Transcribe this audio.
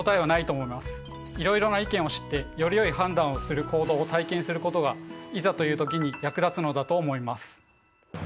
いろいろな意見を知ってよりよい判断をする行動を体験することがいざという時に役立つのだと思います。